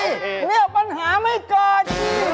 เนี่ยปัญหาไม่เกิด